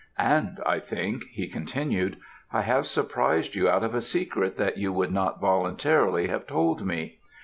"'And I think,' he continued, 'I have surprised you out of a secret that you would not voluntarily have told me.